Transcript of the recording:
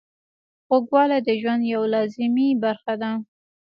خوږوالی د ژوند یوه لازمي برخه ده.